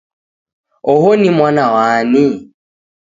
Oho ni mwana wani?